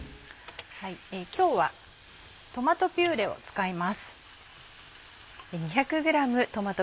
今日はトマトピューレを使います。